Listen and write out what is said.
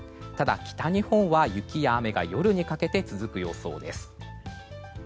ただ、北日本は雪や雨が夜にかけて続く予想です。